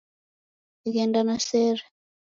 Ghenda na sere